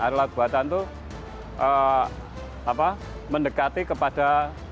air laut buatan itu mendekati kepada